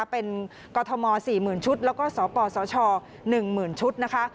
เป็นกสี่หมื่นชุดแล้วก็สปสชหนึ่งหมื่นชุดนะคะ